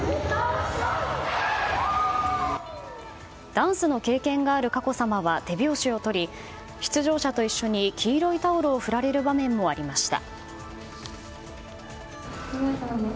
ダンスの経験がある佳子さまは手拍子をとり出場者と一緒に黄色いタオルを振られる場面もありました。